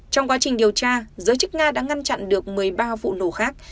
trong quá trình điều tra giới chức nga đã ngăn chặn được một mươi ba vụ nổ khác